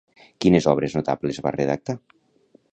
Quines obres notables va redactar?